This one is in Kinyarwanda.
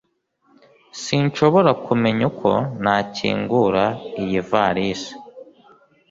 Sinshobora kumenya uko nakingura iyivalisi